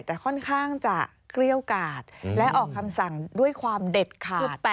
แต่ค่อนข้างจะเกลี้ยวกาดและออกคำสั่งด้วยความเด็ดขาด